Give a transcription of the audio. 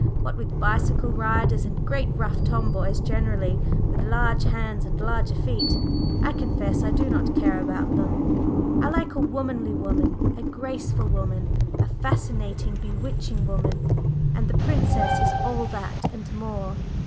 What with bicycle riders and great rough tomboys generally, with large hands and larger feet, I confess I do not care about them. I like a womanly woman, a graceful woman, a fascinating, bewitching woman, and the Princess is all that and more.